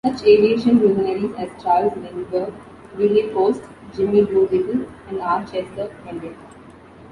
Such aviation luminaries as Charles Lindbergh, Wiley Post, Jimmy Doolittle and Art Chester attended.